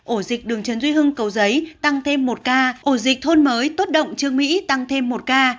ổ dịch đường trần duy hưng cầu giấy tăng thêm một ca ổ dịch thôn mới tốt động trương mỹ tăng thêm một ca